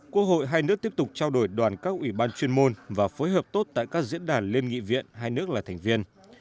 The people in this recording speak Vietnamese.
quốc hội hai nước tiếp tục trao đổi đoàn các ủy ban chuyên môn và phối hợp tốt tại các diễn đàn liên nghị viện hai nước là thành viên